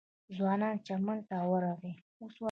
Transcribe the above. ځوان چمن ته ورغی.